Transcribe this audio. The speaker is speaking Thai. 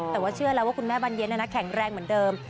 แต่ว่าเชื่อแล้วว่าคุณแม่บรรเย็นแข็งแรงเหมือนเดิม